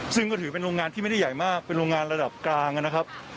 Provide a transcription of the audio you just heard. ซึ่งก็ถือเป็นโรงงานที่ไม่ได้ใหญ่มากเป็นโรงงานระดับกลางนะครับ